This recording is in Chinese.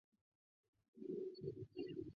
祖父郑肇。